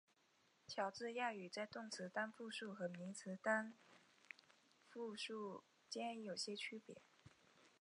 乔治亚语在动词单复数和名词单复数间有些区别。